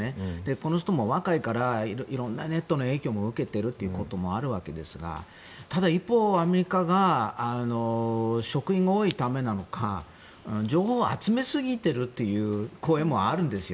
この人も若いからいろんなネットの影響を受けているということもあるわけですがただ、一方、アメリカが職員が多いためなのか情報を集めすぎてるという声もあるんですよ。